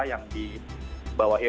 yang di bawah